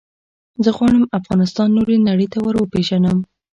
زه غواړم افغانستان نورې نړی ته وروپېژنم.